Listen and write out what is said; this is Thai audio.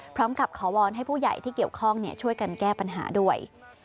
พร้อมกับขอวอนให้ผู้ใหญ่ที่เกี่ยวข้องช่วยกันแก้ปัญหาด้วย